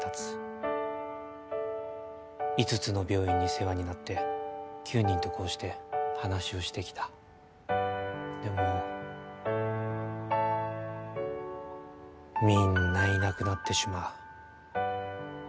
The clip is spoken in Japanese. ５つの病院に世話になって９人とこうして話をしてきたでもみんないなくなってしまう。